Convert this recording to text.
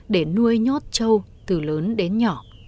để nuôi nhốt châu từ lớn đến nhỏ